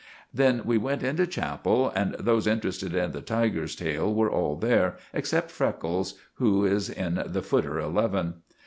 Then we went into chapel, and those interested in the tiger's tail were all there, except Freckles, who is in the footer eleven.